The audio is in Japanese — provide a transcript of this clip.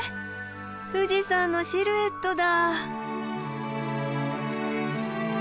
富士山のシルエットだ！